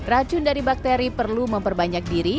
racun dari bakteri perlu memperbanyak diri